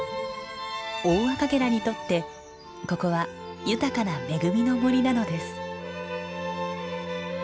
オオアカゲラにとってここは豊かな恵みの森なのです。